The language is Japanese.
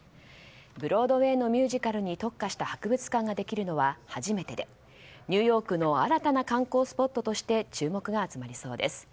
ブロードウェーのミュージカルに特化した博物館ができるのは初めてで、ニューヨークの新たな観光スポットとして注目が集まりそうです。